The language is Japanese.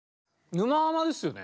「沼ハマ」ですよね？